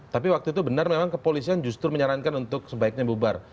tapi waktu itu benar memang kepolisian justru menyarankan untuk sebaiknya bubar